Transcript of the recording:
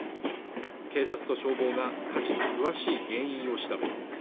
警察と消防が火事の詳しい原因を調べています